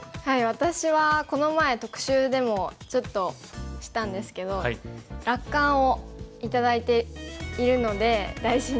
私はこの前特集でもちょっとしたんですけど落款を頂いているので大事にしています。